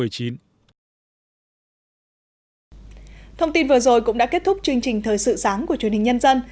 thông tin vừa rồi cũng đã kết thúc chương trình thời sự sáng của truyền hình nhân dân